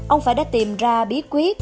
ông phải đã tìm ra bí quyết